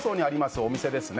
お店ですね